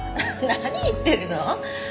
何言ってるの？